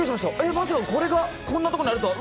まさかこれがこんなところにあるとは。